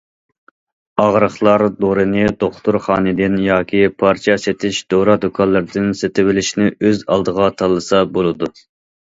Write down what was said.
ئاغرىقلار دورىنى دوختۇرخانىدىن ياكى پارچە سېتىش دورا دۇكانلىرىدىن سېتىۋېلىشنى ئۆز ئالدىغا تاللىسا بولىدۇ.